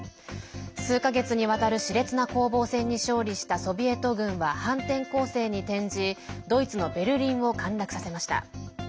数か月にわたるしれつな攻防戦に勝利したソビエト軍は反転攻勢に転じドイツのベルリンを陥落させました。